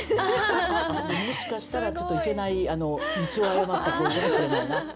もしかしたらちょっといけない道を誤った恋かもしれないな。